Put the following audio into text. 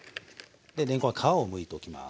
でれんこんは皮をむいときます。